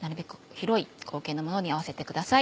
広い口径のものに合わせてください。